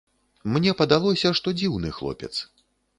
Мне падалося, што дзіўны хлопец.